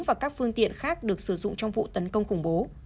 và các phương tiện khác được sử dụng trong vụ tấn công khủng bố